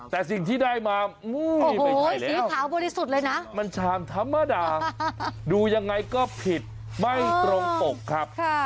แต่สิ่งที่ได้มานี่เป็นสีขาวบริสุทธิ์เลยนะมันชามธรรมดาดูยังไงก็ผิดไม่ตรงปกครับ